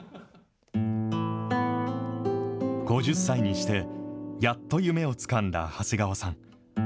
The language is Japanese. ５０歳にして、やっと夢をつかんだ長谷川さん。